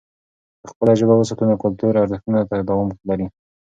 که خپله ژبه وساتو، نو کلتوري ارزښتونه تداوم لري.